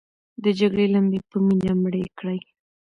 د جګړې لمبې په مینه مړې کړئ.